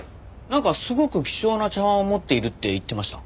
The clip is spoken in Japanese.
なんかすごく希少な茶碗を持っているって言ってました。